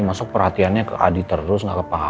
masuk perhatiannya ke adi terus gak ke papa